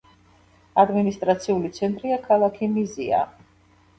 ადმინისტრაციული ცენტრია ქალაქი მიზია.